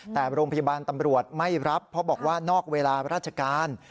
แต่โรงพยาบาลตำรวจไม่รับเพราะบอกว่านอกเวลาราชการ